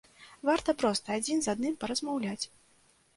Варта проста адзін з адным паразмаўляць.